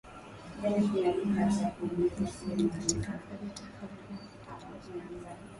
Kuna kamba za Kennel katika Hifadhi ya Taifa ya Jozani